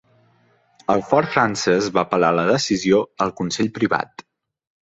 El fort Frances va apel·lar la decisió al Consell Privat.